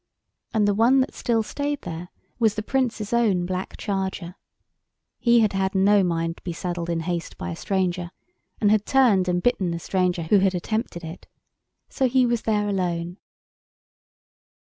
And the one that still stayed there was the Prince's own black charger. He had had no mind to be saddled in haste by a stranger, and had turned and bitten the stranger who had attempted it. So he was there alone.